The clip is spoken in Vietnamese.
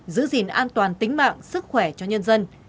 giữ gìn an toàn tính mạng sức khỏe cho nhân dân